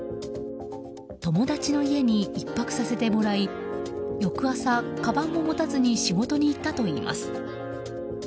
友達の家に１泊させてもらい翌朝、かばんも持たずに仕事に行ったといいます。